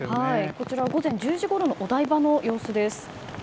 こちらは午前１０時ごろのお台場の様子です。